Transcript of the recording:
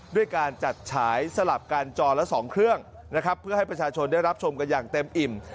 ด้วยการจัดฉายสลับการจอละ๒เครื่องนะครับเพื่อให้ประชาชนได้รับชมกันอย่างเต็มอิ่ม